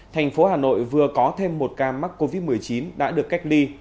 thành phố hà nội vừa có thêm một ca mắc covid một mươi chín đã được cách ly